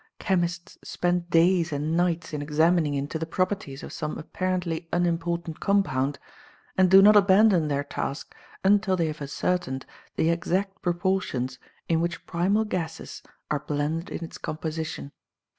Chemists spend days and nights in examining into the properties of some apparently unimportant compound, and do not abandon their task until they have, ascertained the exact proportions in which primal gases are blended in its composition.